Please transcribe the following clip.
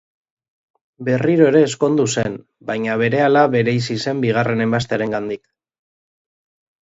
Berriro ere ezkondu zen, baina berehala bereizi zen bigarren emaztearengandik.